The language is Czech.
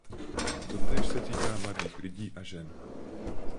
Totéž se týká mladých lidí a žen.